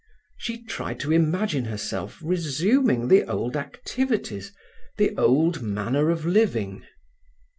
She tried to imagine herself resuming the old activities, the old manner of living.